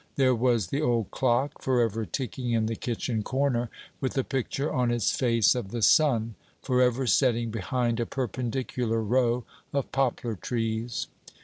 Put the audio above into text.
There was the old clock, forever ticking in the kitchen corner, with a picture on its face of the sun, forever setting behind a perpendicular row of poplar trees.